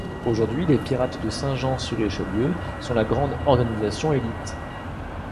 Aujourd'hui, les Pirates de St-Jean-Sur-Richelieu sont la grande organisation élite.